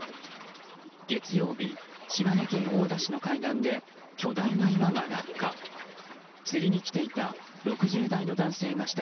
月曜日、島根県大田市の海岸で巨大な岩が落下。